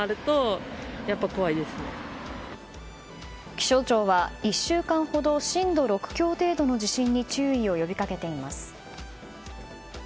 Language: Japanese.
気象庁は、１週間ほど震度６強程度の地震に注意を呼びかけています。